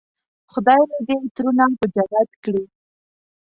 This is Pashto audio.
خدای مې دې ترونه په جنت کړي.